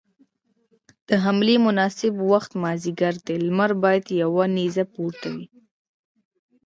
د حملې مناسب وخت مازديګر دی، لمر بايد يوه نيزه پورته وي.